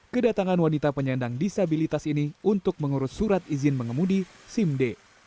kedatangan wanita penyandang disabilitas ini untuk mengurus surat izin mengemudi sim d